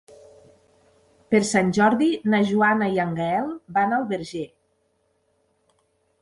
Per Sant Jordi na Joana i en Gaël van al Verger.